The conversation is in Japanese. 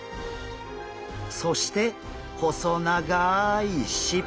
そして細長い尻尾！